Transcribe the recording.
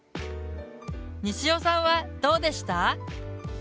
にしおさんはどうでした？